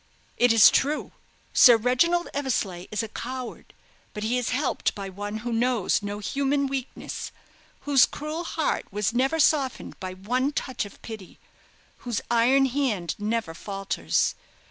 "It is true. Sir Reginald Eversleigh is a coward; but he is helped by one who knows no human weakness whose cruel heart was never softened by one touch of pity whose iron hand never falters.